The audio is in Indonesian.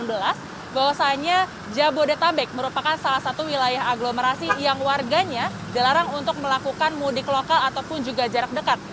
bahwasannya jabodetabek merupakan salah satu wilayah agglomerasi yang warganya dilarang untuk melakukan mudik lokal ataupun juga jarak dekat